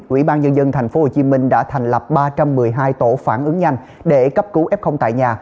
ủy ban nhân dân tp hcm đã thành lập ba trăm một mươi hai tổ phản ứng nhanh để cấp cứu f tại nhà